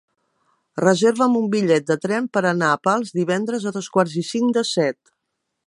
Reserva'm un bitllet de tren per anar a Pals divendres a dos quarts i cinc de set.